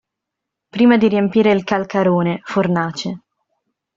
Prima di riempire il calcarone (fornace).